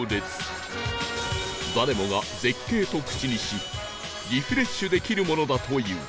誰もが絶景と口にしリフレッシュできるものだという